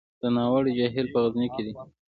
د ناور جهیل په غزني کې دی